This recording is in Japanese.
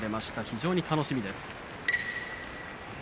非常に楽しみです。